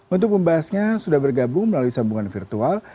untuk pembahasnya sudah bergabung melalui sambungan virtual